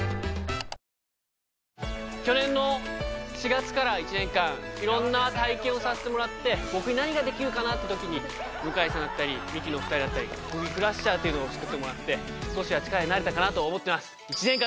去年の４月から１年間いろんな体験をさせてもらって僕に何ができるかなってときに向井さんだったりミキのお二人だったり特技クラッシャーっていうのを作ってもらって少しは力になれたかなと思ってます